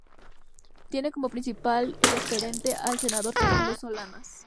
Tiene como principal referente al senador Fernando Solanas.